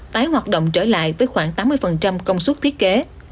tái hoạt động trở lại với khoảng tám mươi công suất thiết kế